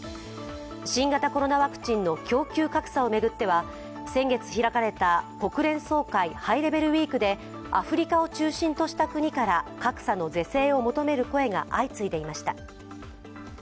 新型コロナワクチンの供給格差を巡っては先月開かれた国連総会ハイレベルウイークでアフリカを中心とした国から格差の是正を求める声が相次いでいました。